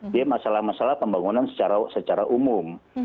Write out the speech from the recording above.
dia masalah masalah pembangunan secara umum